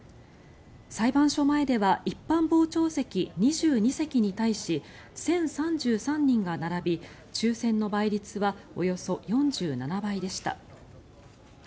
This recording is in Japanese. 裁判所前では一般傍聴席２２席に対し１０３３人が並び、抽選の倍率はおよそ４７倍でした。